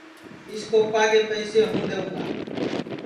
اِس کوپا کے پئسے ہوں دؔیوں گا